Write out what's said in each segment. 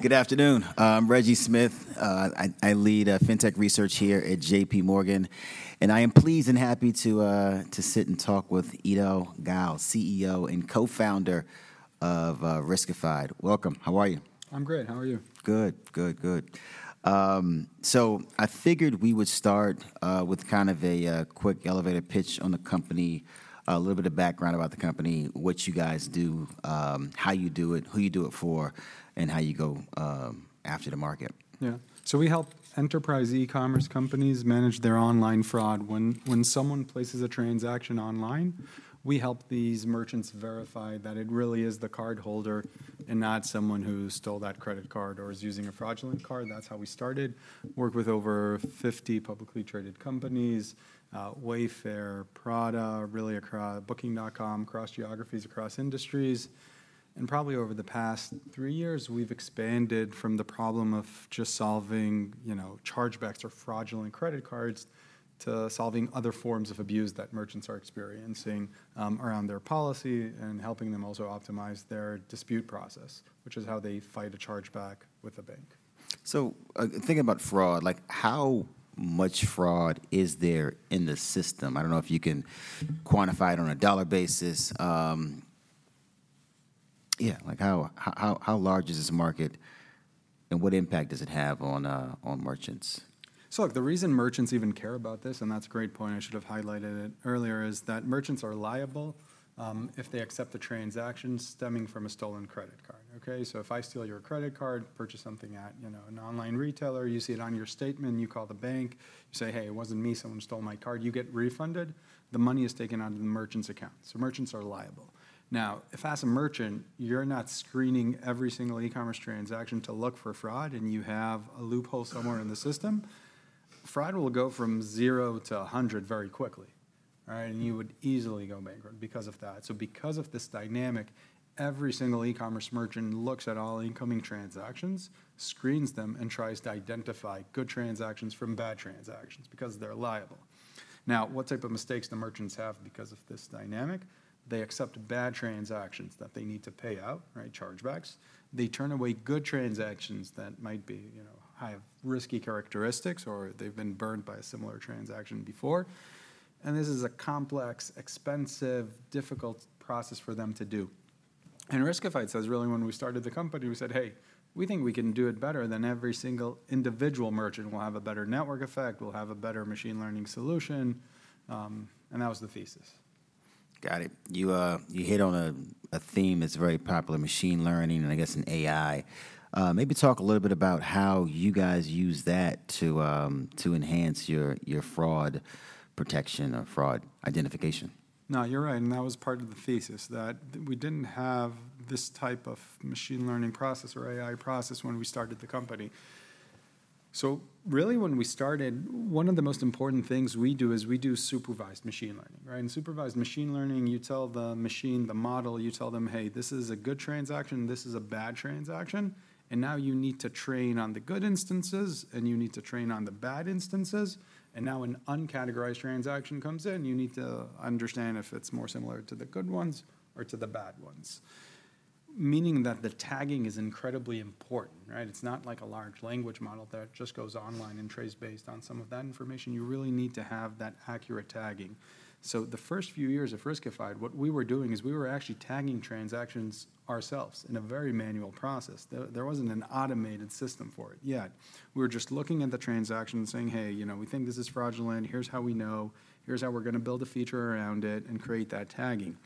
Good afternoon. I'm Reggie Smith. I lead Fintech Research here at JPMorgan, and I am pleased and happy to sit and talk with Eido Gal, CEO and co-founder of Riskified. Welcome. How are you? I'm great. How are you? Good, good, good. So I figured we would start with kind of a quick elevator pitch on the company, a little bit of background about the company, what you guys do, how you do it, who you do it for, and how you go after the market. Yeah. So we help enterprise e-commerce companies manage their online fraud. When someone places a transaction online, we help these merchants verify that it really is the cardholder and not someone who stole that credit card or is using a fraudulent card. That's how we started. Work with over 50 publicly traded companies, Wayfair, Prada, Booking.com, across geographies, across industries, and probably over the past three years, we've expanded from the problem of just solving, you know, chargebacks or fraudulent credit cards, to solving other forms of abuse that merchants are experiencing around their policy and helping them also optimize their dispute process, which is how they fight a chargeback with a bank. So, thinking about fraud, like, how much fraud is there in the system? I don't know if you can quantify it on a dollar basis. Yeah, like how large is this market, and what impact does it have on merchants? So look, the reason merchants even care about this, and that's a great point, I should have highlighted it earlier, is that merchants are liable if they accept a transaction stemming from a stolen credit card, okay? So if I steal your credit card, purchase something at, you know, an online retailer, you see it on your statement, and you call the bank. You say, "Hey, it wasn't me. Someone stole my card," you get refunded. The money is taken out of the merchant's account, so merchants are liable. Now, if as a merchant, you're not screening every single e-commerce transaction to look for fraud, and you have a loophole somewhere in the system, fraud will go from zero to a hundred very quickly, right? And you would easily go bankrupt because of that. So because of this dynamic, every single e-commerce merchant looks at all incoming transactions, screens them, and tries to identify good transactions from bad transactions because they're liable. Now, what type of mistakes do merchants have because of this dynamic? They accept bad transactions that they need to pay out, right, chargebacks. They turn away good transactions that might be, you know, have risky characteristics, or they've been burned by a similar transaction before. And this is a complex, expensive, difficult process for them to do. And Riskified says... Really, when we started the company, we said, "Hey, we think we can do it better than every single individual merchant. We'll have a better network effect, we'll have a better machine learning solution." And that was the thesis. Got it. You hit on a theme that's very popular, machine learning, and I guess and AI. Maybe talk a little bit about how you guys use that to enhance your fraud protection or fraud identification. No, you're right, and that was part of the thesis, that we didn't have this type of machine learning process or AI process when we started the company. So really, when we started, one of the most important things we do is we do supervised machine learning, right? In supervised machine learning, you tell the machine, the model, you tell them, "Hey, this is a good transaction, this is a bad transaction," and now you need to train on the good instances, and you need to train on the bad instances. And now an uncategorized transaction comes in, you need to understand if it's more similar to the good ones or to the bad ones, meaning that the tagging is incredibly important, right? It's not like a large language model that just goes online and trains based on some of that information. You really need to have that accurate tagging. So the first few years of Riskified, what we were doing is we were actually tagging transactions ourselves in a very manual process. There, there wasn't an automated system for it yet. We were just looking at the transaction and saying, "Hey, you know, we think this is fraudulent. Here's how we know. Here's how we're gonna build a feature around it and create that tagging."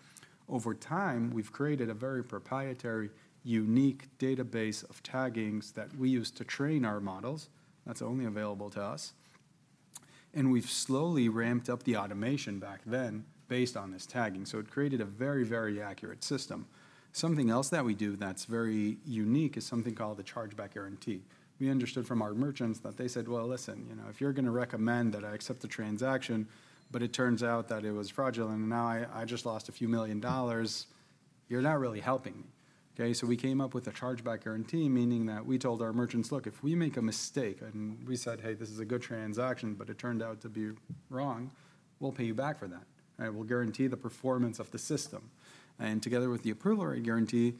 Over time, we've created a very proprietary, unique database of taggings that we use to train our models, that's only available to us, and we've slowly ramped up the automation back then, based on this tagging. So it created a very, very accurate system. Something else that we do that's very unique is something called the Chargeback Guarantee. We understood from our merchants that they said, "Well, listen, you know, if you're gonna recommend that I accept the transaction, but it turns out that it was fraudulent, and now I just lost a few million dollars, you're not really helping me." Okay? So we came up with a Chargeback Guarantee, meaning that we told our merchants, "Look, if we make a mistake, and we said, 'Hey, this is a good transaction,' but it turned out to be wrong, we'll pay you back for that." Right? We'll guarantee the performance of the system. And together with the Approval Rate Guarantee,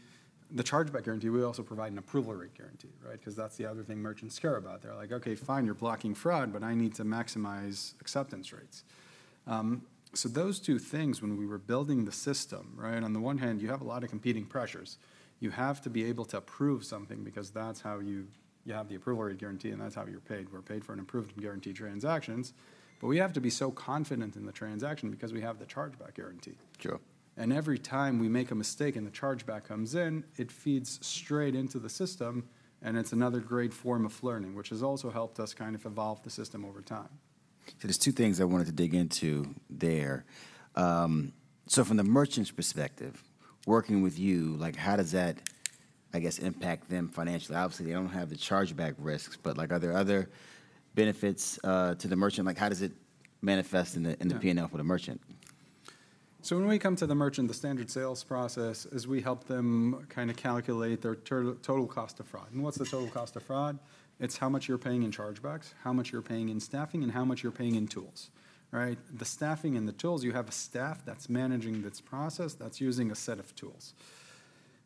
the Chargeback Guarantee, we also provide an Approval Rate Guarantee, right? Because that's the other thing merchants care about. They're like, "Okay, fine, you're blocking fraud, but I need to maximize acceptance rates." So those two things, when we were building the system, right, on the one hand, you have a lot of competing pressures. You have to be able to approve something because that's how you... You have the Approval Rate Guarantee, and that's how you're paid. We're paid for an approved guarantee transactions, but we have to be so confident in the transaction because we have the Chargeback Guarantee. Sure. Every time we make a mistake, and the chargeback comes in, it feeds straight into the system, and it's another great form of learning, which has also helped us kind of evolve the system over time. So there's two things I wanted to dig into there. So from the merchant's perspective, working with you, like, how does that, I guess, impact them financially? Obviously, they don't have the chargeback risks, but, like, are there other benefits to the merchant? Like, how does it manifest in the- Yeah... in the P&L for the merchant? So when we come to the merchant, the standard sales process is we help them kinda calculate their total, total cost of fraud. And what's the total cost of fraud? It's how much you're paying in chargebacks, how much you're paying in staffing, and how much you're paying in tools, right? The staffing and the tools, you have a staff that's managing this process, that's using a set of tools...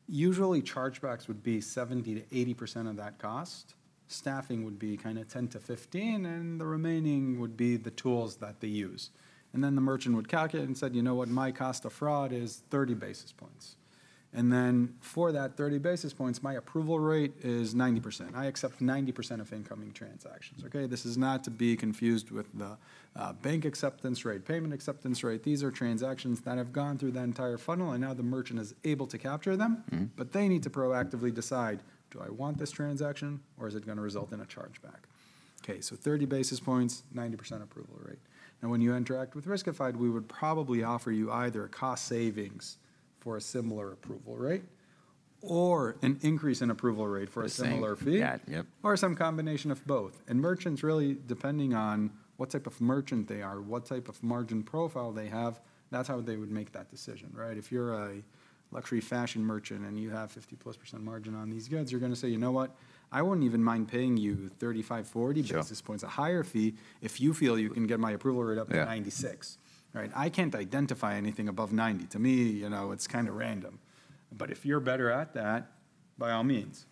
usually chargebacks would be 70%-80% of that cost. Staffing would be kind of 10%-15%, and the remaining would be the tools that they use. And then the merchant would calculate and said, "You know what? My cost of fraud is 30 basis points. And then for that 30 basis points, my approval rate is 90%. I accept 90% of incoming transactions." Okay, this is not to be confused with the, bank acceptance rate, payment acceptance rate. These are transactions that have gone through that entire funnel, and now the merchant is able to capture them- Mm-hmm. but they need to proactively decide: Do I want this transaction, or is it gonna result in a chargeback? Okay, so 30 basis points, 90% approval rate. Now, when you interact with Riskified, we would probably offer you either a cost savings for a similar approval rate or an increase in approval rate for a similar fee. The same. Yeah. Yep. Or some combination of both. And merchants really, depending on what type of merchant they are, what type of margin profile they have, that's how they would make that decision, right? If you're a luxury fashion merchant and you have 50%+ margin on these goods, you're gonna say: You know what? I wouldn't even mind paying you 35, 40- Sure basis points, a higher fee, if you feel you can get my approval rate up to 96%. Yeah. Right? I can't identify anything above 90. To me, you know, it's kinda random. But if you're better at that, by all means.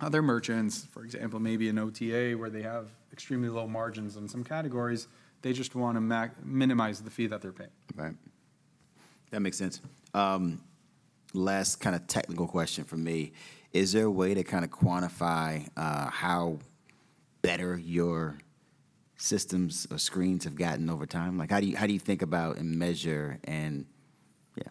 Other merchants, for example, maybe an OTA, where they have extremely low margins in some categories, they just wanna minimize the fee that they're paying. Right. That makes sense. Last kind of technical question from me: Is there a way to kind of quantify, how better your systems or screens have gotten over time? Like, how do you, how do you think about and measure and... Yeah.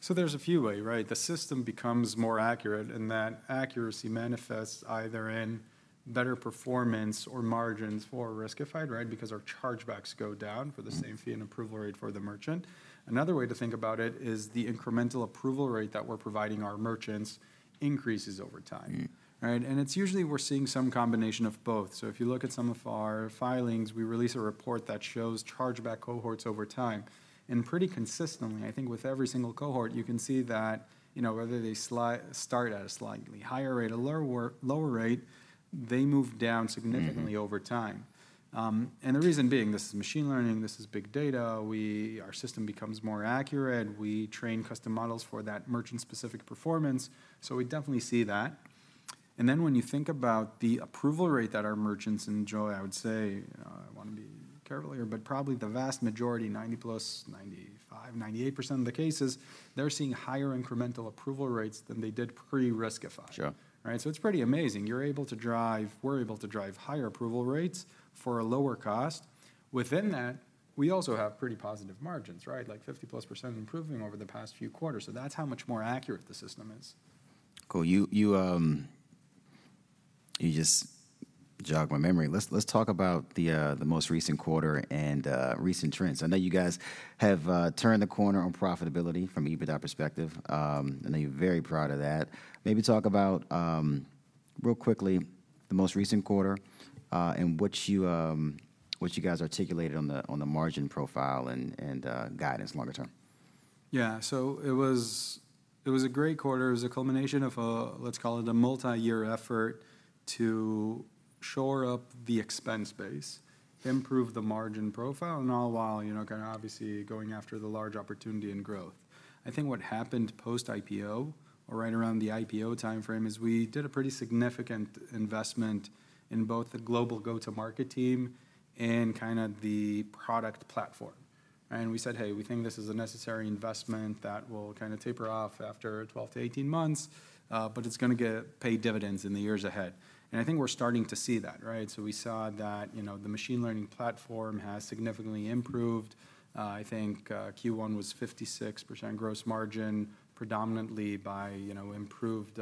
So there's a few ways, right? The system becomes more accurate, and that accuracy manifests either in better performance or margins for Riskified, right? Because our chargebacks go down for the same fee- Mm and approval rate for the merchant. Another way to think about it is the incremental approval rate that we're providing our merchants increases over time. Mm. Right? And it's usually we're seeing some combination of both. So if you look at some of our filings, we release a report that shows chargeback cohorts over time. And pretty consistently, I think with every single cohort, you can see that, you know, whether they start at a slightly higher rate or lower rate, they move down significantly over time. Mm-hmm. And the reason being, this is machine learning, this is big data. Our system becomes more accurate. We train custom models for that merchant-specific performance, so we definitely see that. And then when you think about the approval rate that our merchants enjoy, I would say, I wanna be careful here, but probably the vast majority, 90+, 95, 98% of the cases, they're seeing higher incremental approval rates than they did pre-Riskified. Sure. Right? So it's pretty amazing. You're able to drive-- we're able to drive higher approval rates for a lower cost. Within that, we also have pretty positive margins, right? Like, 50%+ improvement over the past few quarters, so that's how much more accurate the system is. Cool. You just jogged my memory. Let's talk about the most recent quarter and recent trends. I know you guys have turned the corner on profitability from EBITDA perspective. I know you're very proud of that. Maybe talk about real quickly the most recent quarter and what you guys articulated on the margin profile and guidance longer term. Yeah. So it was, it was a great quarter. It was a culmination of a, let's call it a multi-year effort to shore up the expense base, improve the margin profile, and all while, you know, kinda obviously going after the large opportunity and growth. I think what happened post-IPO or right around the IPO timeframe, is we did a pretty significant investment in both the global go-to-market team and kinda the product platform. And we said: Hey, we think this is a necessary investment that will kinda taper off after 12-18 months, but it's gonna get paid dividends in the years ahead. And I think we're starting to see that, right? So we saw that, you know, the machine learning platform has significantly improved. I think, Q1 was 56% gross margin, predominantly by, you know, improved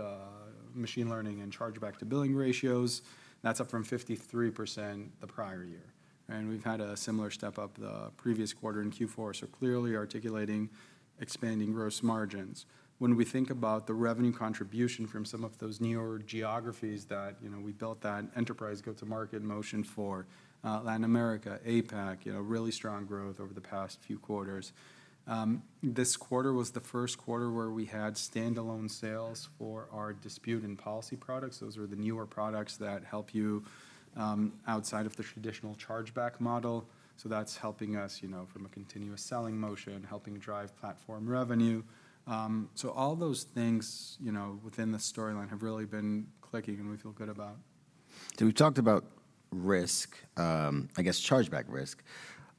machine learning and chargeback to billing ratios. That's up from 53% the prior year, and we've had a similar step-up the previous quarter in Q4, so clearly articulating, expanding gross margins. When we think about the revenue contribution from some of those newer geographies that, you know, we built that enterprise go-to-market motion for, Latin America, APAC, you know, really strong growth over the past few quarters. This quarter was the first quarter where we had standalone sales for our dispute and policy products. Those are the newer products that help you, outside of the traditional chargeback model. So that's helping us, you know, from a continuous selling motion, helping drive platform revenue. So all those things, you know, within the storyline have really been clicking, and we feel good about. So we've talked about risk, I guess, chargeback risk.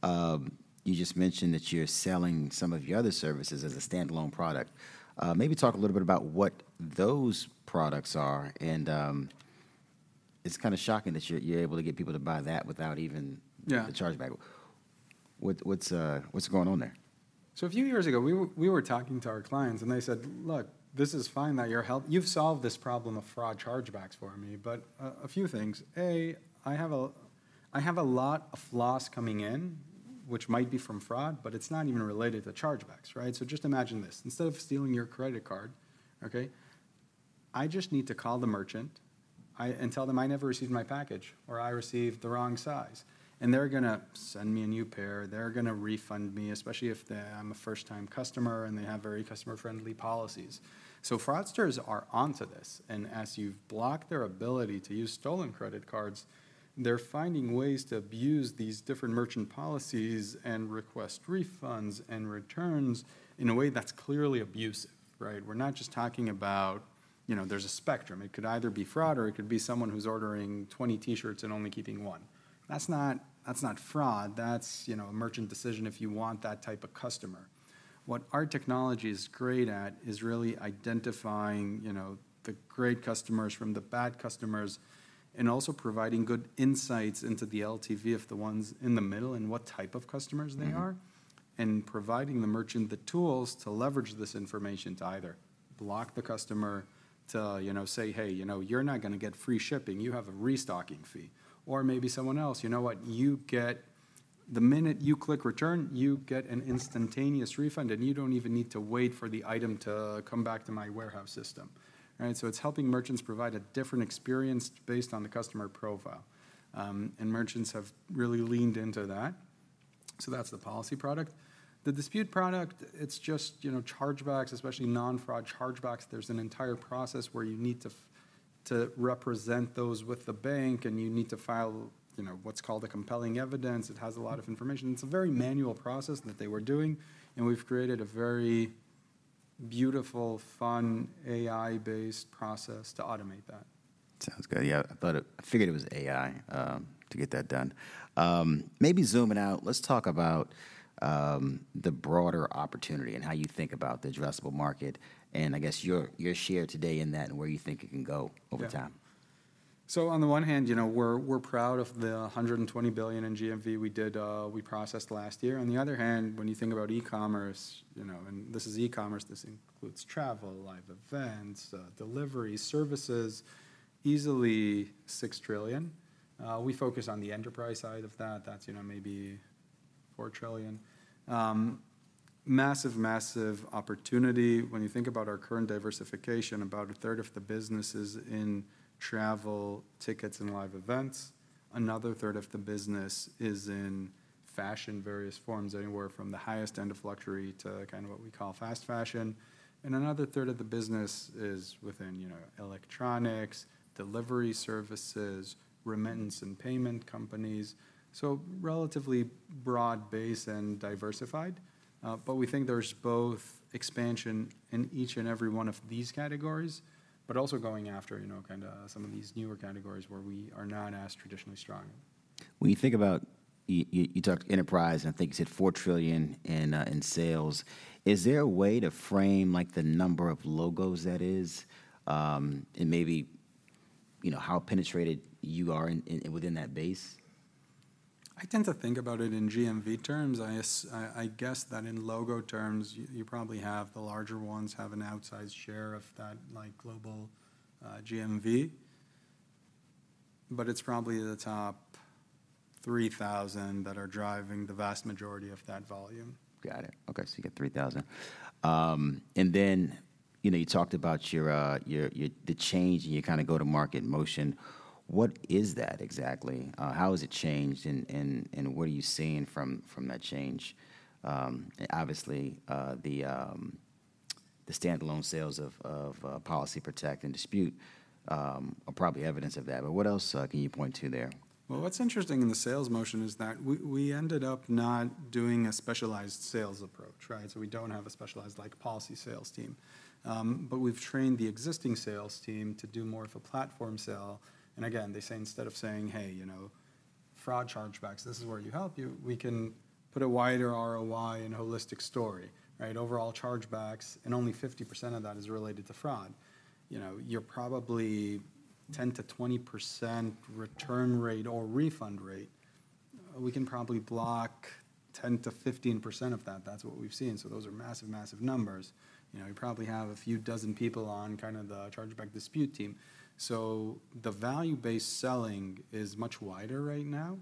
You just mentioned that you're selling some of your other services as a standalone product. Maybe talk a little bit about what those products are, and it's kinda shocking that you're, you're able to get people to buy that without even- Yeah... the chargeback. What’s going on there? So a few years ago, we were talking to our clients, and they said: "Look, this is fine that you've solved this problem of fraud chargebacks for me, but a few things: A, I have a lot of loss coming in, which might be from fraud, but it's not even related to chargebacks," right? So just imagine this: Instead of stealing your credit card, okay, I just need to call the merchant and tell them I never received my package, or I received the wrong size, and they're gonna send me a new pair. They're gonna refund me, especially if I'm a first-time customer, and they have very customer-friendly policies. So fraudsters are onto this, and as you've blocked their ability to use stolen credit cards, they're finding ways to abuse these different merchant policies and request refunds and returns in a way that's clearly abusive, right? We're not just talking about, you know, there's a spectrum. It could either be fraud or it could be someone who's ordering 20 T-shirts and only keeping one. That's not, that's not fraud, that's, you know, a merchant decision if you want that type of customer. What our technology is great at is really identifying, you know, the great customers from the bad customers, and also providing good insights into the LTV of the ones in the middle, and what type of customers they are. Mm-hmm. And providing the merchant the tools to leverage this information to either block the customer, to, you know, say, "Hey, you know, you're not gonna get free shipping. You have a restocking fee." Or maybe someone else, "You know what? You get the minute you click return, you get an instantaneous refund, and you don't even need to wait for the item to come back to my warehouse system." Right? So it's helping merchants provide a different experience based on the customer profile. And merchants have really leaned into that. So that's the policy product. The dispute product, it's just, you know, chargebacks, especially non-fraud chargebacks. There's an entire process where you need to represent those with the bank, and you need to file, you know, what's called the Compelling Evidence. It has a lot of information. It's a very manual process that they were doing, and we've created a very beautiful, fun, AI-based process to automate that. Sounds good. Yeah, I thought it. I figured it was AI to get that done. Maybe zooming out, let's talk about the broader opportunity and how you think about the addressable market, and I guess your, your share today in that and where you think it can go over time. Yeah. So on the one hand, you know, we're proud of the $120 billion in GMV we did, we processed last year. On the other hand, when you think about e-commerce, you know, and this is e-commerce, this includes travel, live events, delivery services, easily $6 trillion. We focus on the enterprise side of that. That's, you know, maybe $4 trillion. Massive, massive opportunity. When you think about our current diversification, about a third of the business is in travel, tickets, and live events. Another third of the business is in fashion, various forms, anywhere from the highest end of luxury to kind of what we call fast fashion. And another third of the business is within, you know, electronics, delivery services, remittance and payment companies. So, relatively broad base and diversified, but we think there's both expansion in each and every one of these categories, but also going after, you know, kinda some of these newer categories where we are not as traditionally strong. When you think about, you talked enterprise, and I think you said $4 trillion in sales. Is there a way to frame, like, the number of logos that is, and maybe, you know, how penetrated you are within that base? I tend to think about it in GMV terms. I, I guess that in logo terms, you probably have the larger ones have an outsized share of that, like, global, GMV, but it's probably the top 3,000 that are driving the vast majority of that volume. Got it. Okay, so you get 3,000. And then, you know, you talked about the change and your kinda go-to-market motion. What is that exactly? How has it changed, and what are you seeing from that change? Obviously, the standalone sales of Policy Protect and Dispute are probably evidence of that, but what else can you point to there? Well, what's interesting in the sales motion is that we ended up not doing a specialized sales approach, right? So we don't have a specialized, like, policy sales team. But we've trained the existing sales team to do more of a platform sale. And again, they say, instead of saying: "Hey, you know, fraud chargebacks, this is where you help," we can put a wider ROI and holistic story, right? Overall chargebacks, and only 50% of that is related to fraud. You know, you're probably 10%-20% return rate or refund rate. We can probably block 10%-15% of that. That's what we've seen. So those are massive, massive numbers. You know, you probably have a few dozen people on kinda the chargeback dispute team. So the value-based selling is much wider right now.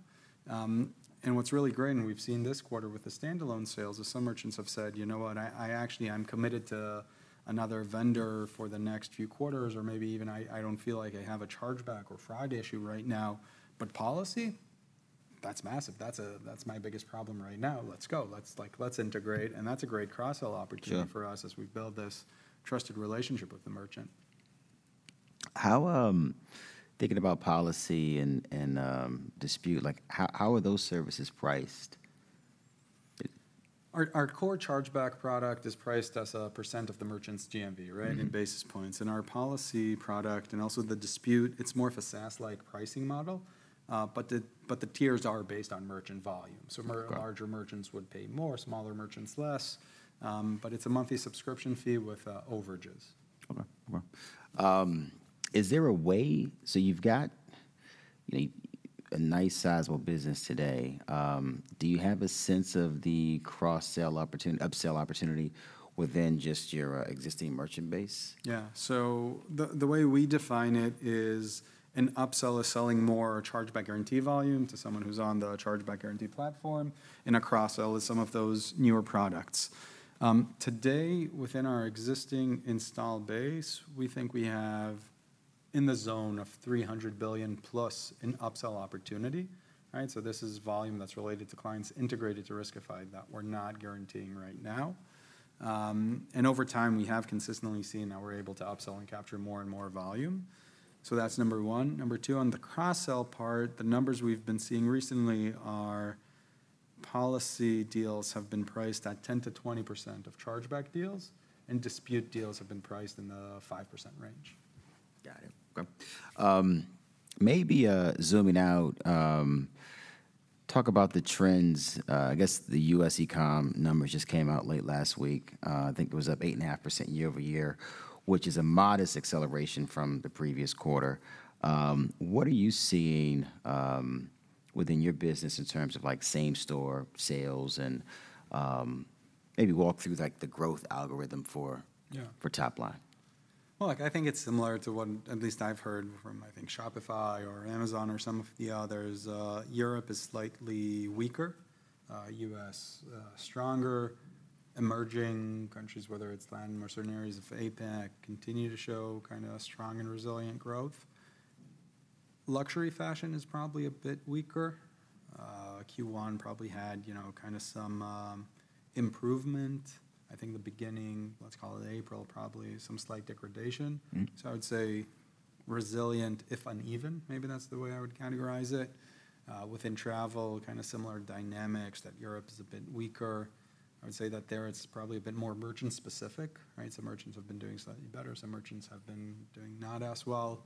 And what's really great, and we've seen this quarter with the standalone sales, is some merchants have said: "You know what? I, I actually, I'm committed to another vendor for the next few quarters," or maybe even, "I, I don't feel like I have a chargeback or fraud issue right now. But policy? That's massive. That's, that's my biggest problem right now. Let's go. Let's, like, let's integrate." And that's a great cross-sell opportunity- Sure... for us as we build this trusted relationship with the merchant. How, thinking about policy and dispute, like, how are those services priced? Our core Chargeback product is priced as a percent of the merchant's GMV, right? Mm-hmm. In basis points. Our policy product, and also the dispute, it's more of a SaaS-like pricing model, but the tiers are based on merchant volume. Okay. So larger merchants would pay more, smaller merchants less, but it's a monthly subscription fee with overages. Okay. Well, is there a way... So you've got a nice sizable business today. Do you have a sense of the cross-sell opportunity, upsell opportunity within just your existing merchant base? Yeah. So the, the way we define it is, an upsell is selling more Chargeback Guarantee volume to someone who's on the Chargeback Guarantee platform, and a cross-sell is some of those newer products. Today, within our existing installed base, we think we have in the zone of $300 billion+ in upsell opportunity, right? So this is volume that's related to clients integrated to Riskified that we're not guaranteeing right now. And over time, we have consistently seen that we're able to upsell and capture more and more volume. So that's number one. Number two, on the cross-sell part, the numbers we've been seeing recently are policy deals have been priced at 10%-20% of Chargeback Guarantee deals, and dispute deals have been priced in the 5% range. Got it. Okay. Maybe zooming out, talk about the trends. I guess the U.S. e-com numbers just came out late last week. I think it was up 8.5% year-over-year, which is a modest acceleration from the previous quarter. What are you seeing within your business in terms of, like, same-store sales and maybe walk through, like, the growth algorithm for- Yeah... for top line? Well, look, I think it's similar to what at least I've heard from, I think, Shopify or Amazon or some of the others. Europe is slightly weaker, US stronger. Emerging countries, whether it's LATAM or certain areas of APAC, continue to show kind of strong and resilient growth. Luxury fashion is probably a bit weaker. Q1 probably had, you know, kind of some improvement. I think the beginning, let's call it April, probably some slight degradation. Mm. So I would say resilient, if uneven. Maybe that's the way I would categorize it. Within travel, kind of similar dynamics, that Europe is a bit weaker. I would say that there it's probably a bit more merchant-specific, right? Some merchants have been doing slightly better, some merchants have been doing not as well.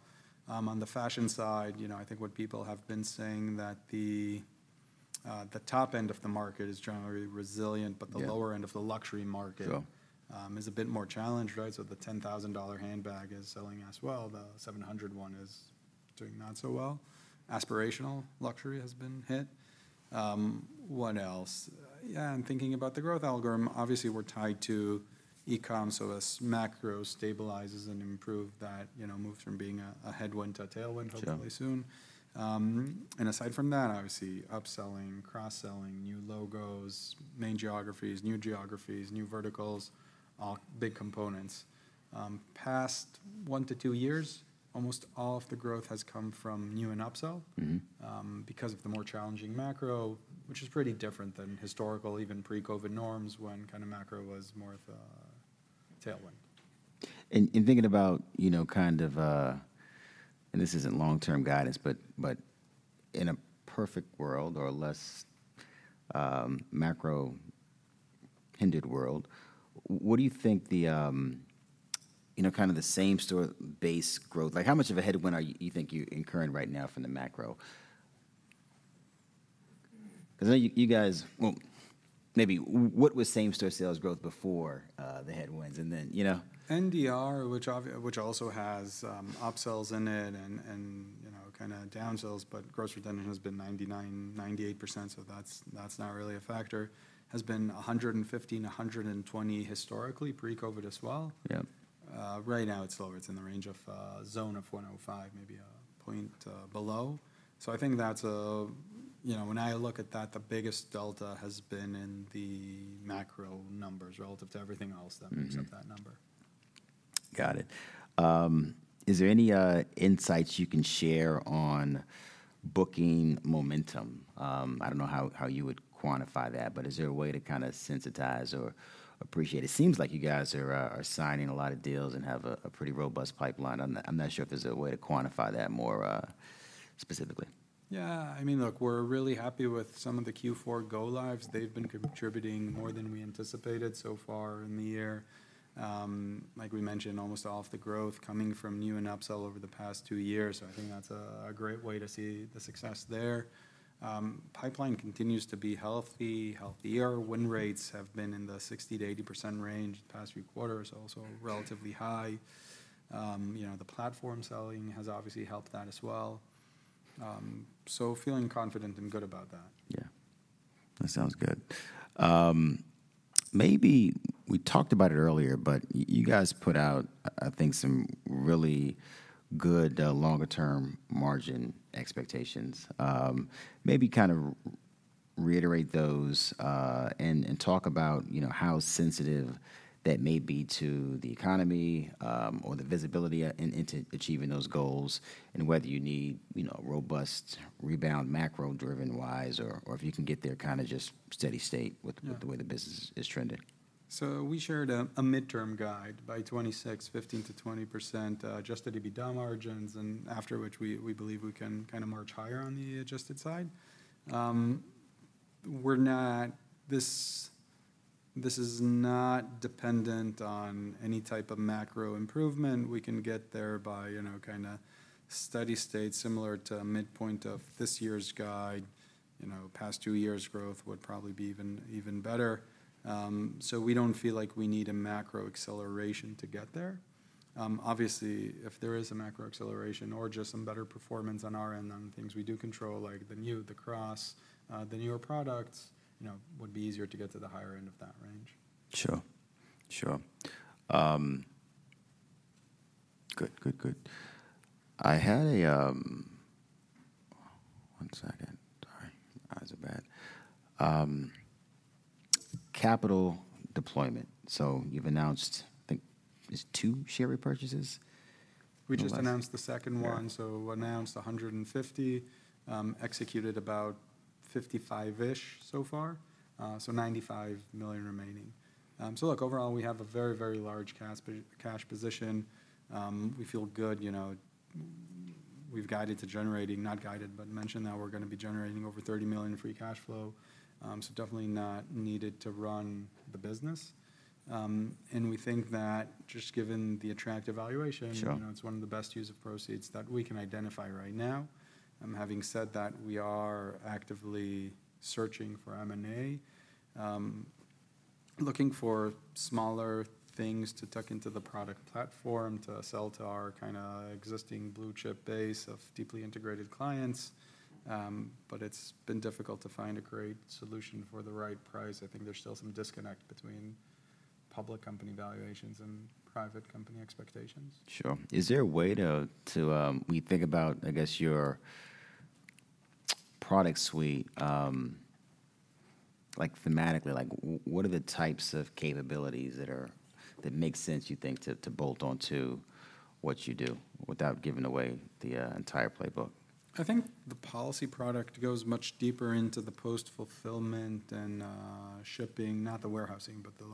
On the fashion side, you know, I think what people have been saying, that the, the top end of the market is generally resilient- Yeah... but the lower end of the luxury market- Sure... is a bit more challenged, right? So the $10,000 handbag is selling as well. The $701 is doing not so well. Aspirational luxury has been hit. What else? Yeah, and thinking about the growth algorithm, obviously we're tied to e-com, so as macro stabilizes and improve that, you know, move from being a headwind to a tailwind- Sure... hopefully soon. And aside from that, obviously upselling, cross-selling, new logos, main geographies, new geographies, new verticals, all big components. Past 1-2 years, almost all of the growth has come from new and upsell- Mm-hmm... because of the more challenging macro, which is pretty different than historical, even pre-COVID norms, when kind of macro was more of a tailwind. Thinking about, you know, kind of... This isn't long-term guidance, but in a perfect world or a less macro-hindered world, what do you think the, you know, kind of the same-store base growth? Like, how much of a headwind are you think you're incurring right now from the macro? 'Cause I know you, you guys... Well, maybe what was same-store sales growth before the headwinds, and then, you know- NDR, which obviously also has upsells in it and, you know, kinda downsells, but gross retention has been 99%-98%, so that's not really a factor, has been 115%-120% historically, pre-COVID as well. Yeah. Right now it's lower. It's in the range of zone of 105, maybe a point below. So I think that's... You know, when I look at that, the biggest delta has been in the macro numbers relative to everything else- Mm-hmm... except that number. Got it. Is there any insights you can share on booking momentum? I don't know how you would quantify that, but is there a way to kinda sensitize or appreciate it? It seems like you guys are signing a lot of deals and have a pretty robust pipeline. I'm not sure if there's a way to quantify that more specifically. Yeah. I mean, look, we're really happy with some of the Q4 go-lives. They've been contributing more than we anticipated so far in the year. Like we mentioned, almost all of the growth coming from new and upsell over the past 2 years, so I think that's a great way to see the success there. Pipeline continues to be healthy, healthier. Win rates have been in the 60%-80% range the past few quarters, also relatively high. You know, the platform selling has obviously helped that as well. So feeling confident and good about that. Yeah, that sounds good. Maybe we talked about it earlier, but you guys put out I think, some really good, longer term margin expectations. Maybe kind of reiterate those, and talk about, you know, how sensitive that may be to the economy, or the visibility, into achieving those goals and whether you need, you know, a robust rebound, macro-driven wise, or if you can get there kind of just steady state with- Yeah... with the way the business is trending. So we shared a midterm guide by 2026, 15%-20% adjusted EBITDA margins, and after which we believe we can kind of march higher on the adjusted side. We're not—this is not dependent on any type of macro improvement. We can get there by, you know, kinda steady state, similar to a midpoint of this year's guide. You know, past two years' growth would probably be even better. So we don't feel like we need a macro acceleration to get there. Obviously, if there is a macro acceleration or just some better performance on our end on things we do control, like the new, the cross, the newer products, you know, would be easier to get to the higher end of that range. Sure. Sure. Good, good, good. One second. Sorry. Eyes are bad. Capital deployment. So you've announced, I think it's 2 share repurchases? We just announced the second one. Yeah. So announced $150 million. Executed about 55-ish so far, so $95 million remaining. So look, overall, we have a very, very large cash position. We feel good, you know. We've guided to generating, not guided, but mentioned that we're gonna be generating over $30 million free cash flow. So definitely not needed to run the business. And we think that just given the attractive valuation- Sure. you know, it's one of the best use of proceeds that we can identify right now. Having said that, we are actively searching for M&A. Looking for smaller things to tuck into the product platform, to sell to our kinda existing blue-chip base of deeply integrated clients. But it's been difficult to find a great solution for the right price. I think there's still some disconnect between public company valuations and private company expectations. Sure. Is there a way to, we think about, I guess, your product suite, like thematically, like what are the types of capabilities that are, that make sense, you think, to bolt on to what you do, without giving away the entire playbook? I think the policy product goes much deeper into the post-fulfillment and shipping, not the warehousing, but the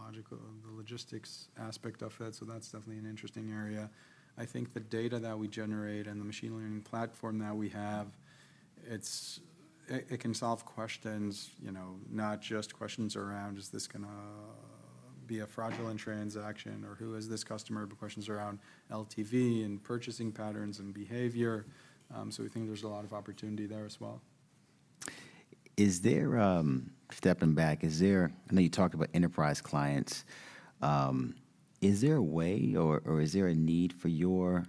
logistics aspect of it, so that's definitely an interesting area. I think the data that we generate and the machine learning platform that we have, it can solve questions, you know, not just questions around, "Is this gonna be a fraudulent transaction," or, "Who is this customer?" But questions around LTV and purchasing patterns and behavior. So we think there's a lot of opportunity there as well. Stepping back, I know you talked about enterprise clients. Is there a way or is there a need for your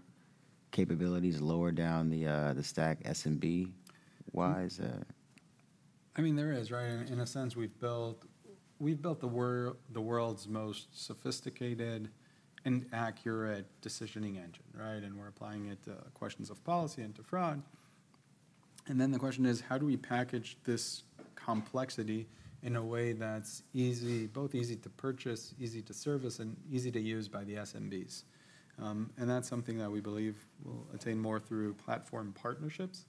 capabilities lower down the stack, SMB-wise? I mean, there is, right? In a sense, we've built the world's most sophisticated and accurate decisioning engine, right? And then the question is: how do we package this complexity in a way that's easy, both easy to purchase, easy to service, and easy to use by the SMBs? And that's something that we believe we'll attain more through platform partnerships,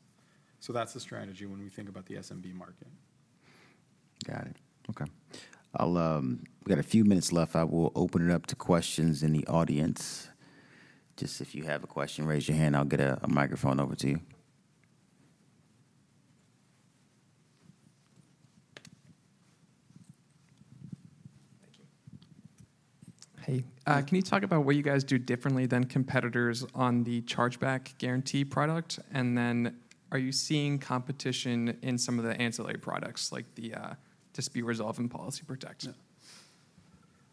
so that's the strategy when we think about the SMB market. Got it. Okay. I'll... We've got a few minutes left. I will open it up to questions in the audience. Just if you have a question, raise your hand, I'll get a microphone over to you. Thank you. Hey, can you talk about what you guys do differently than competitors on the Chargeback Guarantee product? And then, are you seeing competition in some of the ancillary products, like the, Dispute Resolve and Policy Protect? Yeah.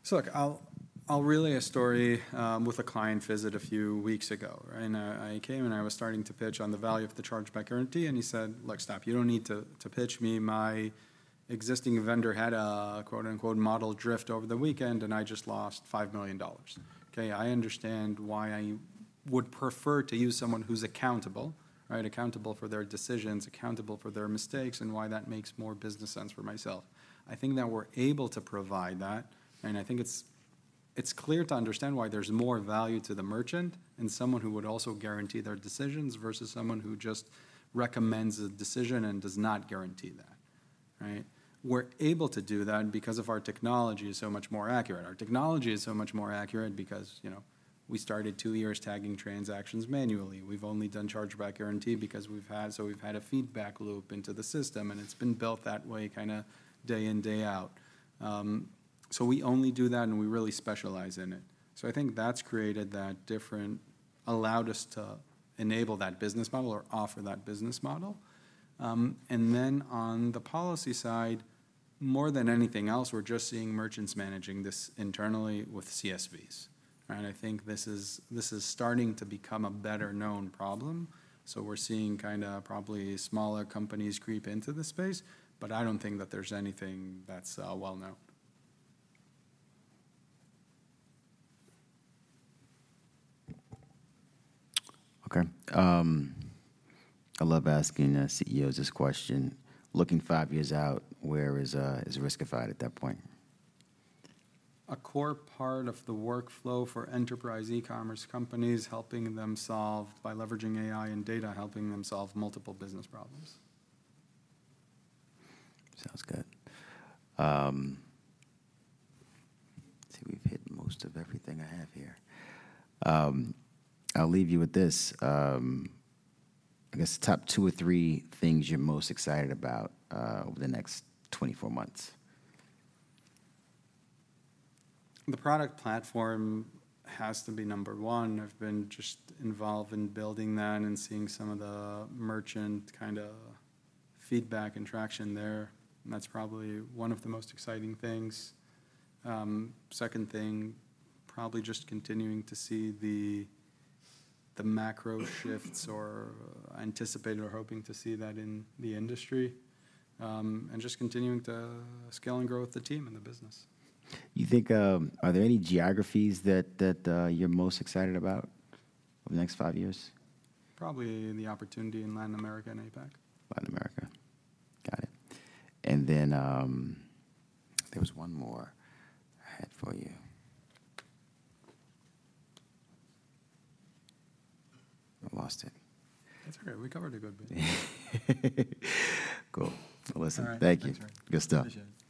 So look, I'll relay a story with a client visit a few weeks ago, right? I came, and I was starting to pitch on the value of the Chargeback Guarantee, and he said: "Look, stop. You don't need to pitch me. My existing vendor had a, quote-unquote, model drift over the weekend, and I just lost $5 million. Okay, I understand why I would prefer to use someone who's accountable, right? Accountable for their decisions, accountable for their mistakes, and why that makes more business sense for myself." I think that we're able to provide that, and I think it's clear to understand why there's more value to the merchant and someone who would also guarantee their decisions, versus someone who just recommends a decision and does not guarantee that, right? We're able to do that because of our technology is so much more accurate. Our technology is so much more accurate because, you know, we started two years tagging transactions manually. We've only done chargeback guarantee because we've had- so we've had a feedback loop into the system, and it's been built that way, kinda day in, day out. So we only do that, and we really specialize in it. So I think that's created that different- allowed us to enable that business model or offer that business model. And then on the policy side, more than anything else, we're just seeing merchants managing this internally with CSVs, right? I think this is, this is starting to become a better-known problem, so we're seeing kinda probably smaller companies creep into the space, but I don't think that there's anything that's, well-known. Okay. I love asking CEOs this question: looking five years out, where is Riskified at that point? A core part of the workflow for enterprise e-commerce companies, helping them solve, by leveraging AI and data, helping them solve multiple business problems. Sounds good. Let's see, we've hit most of everything I have here. I'll leave you with this. I guess the top two or three things you're most excited about, over the next 24 months? The product platform has to be number one. I've been just involved in building that and seeing some of the merchant kinda feedback and traction there, and that's probably one of the most exciting things. Second thing, probably just continuing to see the macro shifts... or anticipate or hoping to see that in the industry. And just continuing to scale and grow with the team and the business. You think, are there any geographies that you're most excited about over the next five years? Probably in the opportunity in Latin America and APAC. Latin America. Got it. And then, there was one more I had for you. I lost it. That's all right. We covered a good bit. Cool. Well, listen- All right... thank you. Thanks, man. Good stuff. Appreciate it.